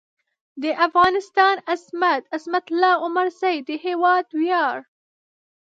د افغانستان عظمت؛ عظمت الله عمرزی د هېواد وېاړ